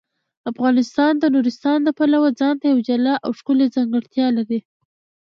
افغانستان د نورستان د پلوه ځانته یوه جلا او ښکلې ځانګړتیا لري.